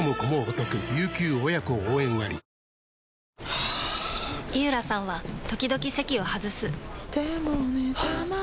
はぁ井浦さんは時々席を外すはぁ。